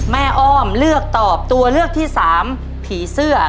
อ้อมเลือกตอบตัวเลือกที่สามผีเสื้อ